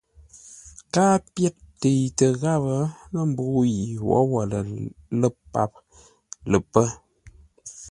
Káa pyér təitə gháp lə̂ mbə̂u yi wǒwó lə́ páp lə pə́.